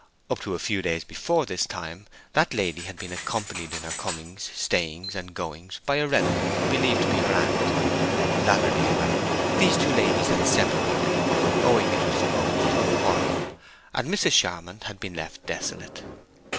Up to a few days before this time that lady had been accompanied in her comings, stayings, and goings by a relative believed to be her aunt; latterly, however, these two ladies had separated, owing, it was supposed, to a quarrel, and Mrs. Charmond had been left desolate.